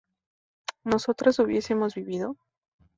¿nosotras hubiésemos vivido?